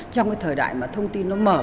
trong cái thời đại mà thông tin nó mở